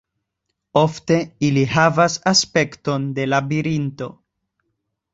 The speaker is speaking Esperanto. Ofte ili havas aspekton de labirinto.